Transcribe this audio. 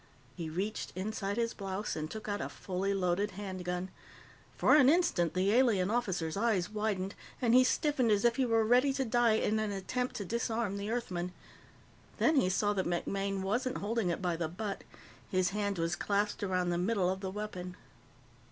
He reached inside his blouse and took out a fully loaded handgun. For an instant, the alien officer's eyes widened, and he stiffened as if he were ready to die in an attempt to disarm the Earthman. Then he saw that MacMaine wasn't holding it by the butt; his hand was clasped around the middle of the weapon.